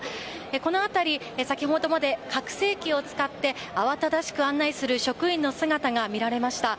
この辺り、先ほどまで拡声器を使って慌ただしく案内する職員の姿が見られました。